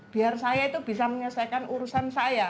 biar saya itu bisa menyelesaikan urusan saya